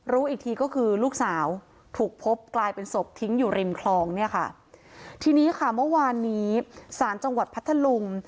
รู้อีกทีก็คือลูกสาวถูกพบกลายเป็นศพทิ้งอยู่ริมคลองเนี่ยค่ะทีนี้ค่ะเมื่อวานนี้ศาลจังหวัดพัทธลุง